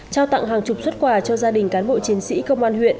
trao tặng hàng chục xuất quà cho gia đình cán bộ chiến sĩ công an huyện